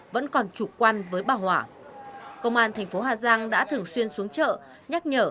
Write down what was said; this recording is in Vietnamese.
vẫn còn chủ quan với bà hỏa công an thành phố hà giang đã thường xuyên xuống chợ nhắc nhở